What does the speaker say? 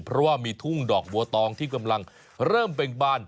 เพราะว่ามีทุ่งดอกบัวตองที่กำลังเริ่มเบ่งบาน